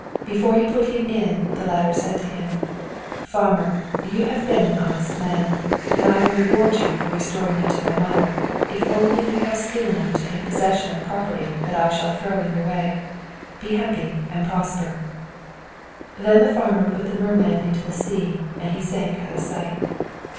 Before he put him in, the latter said to him: "Farmer, you have been an honest man, and I will reward you for restoring me to my mother, if only you have skill enough to take possession of property that I shall throw in your way. Be happy and prosper." Then the farmer put the merman into the sea, and he sank out of sight.